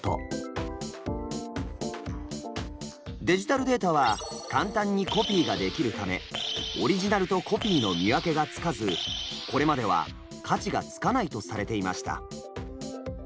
デジタルデータは簡単にコピーができるためオリジナルとコピーの見分けがつかずこれまでは価値がつかないとされていました。